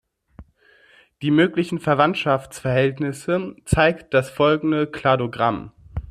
Die möglichen Verwandtschaftsverhältnisse zeigt das folgende Kladogramm